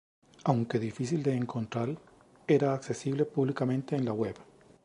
aunque difícil de encontrar era accesible públicamente en la web